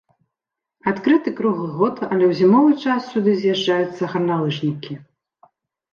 Адкрыты круглы год, але ў зімовы час сюды з'язджаюцца гарналыжнікі.